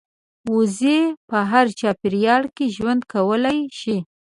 وزې په هر چاپېریال کې ژوند کولی شي